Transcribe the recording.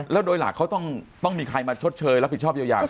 แล้วโดยหลักเขาต้องต้องมีใครมาชดเชยรับผิดชอบยาวเขาบ้าง